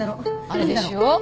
あれでしょう？